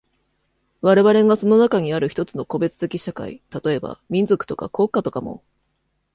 我々がその中にある一つの個別的社会、例えば民族とか国家とかも、